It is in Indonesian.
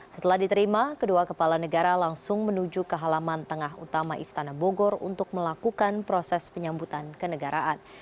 setelah diterima kedua kepala negara langsung menuju ke halaman tengah utama istana bogor untuk melakukan proses penyambutan kenegaraan